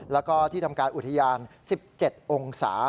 แล้วก็ที่ทำการอุทยาน๑๗องศา